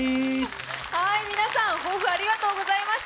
みなさん、抱負ありがとうございました。